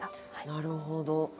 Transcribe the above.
なるほど。